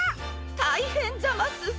たいへんざます！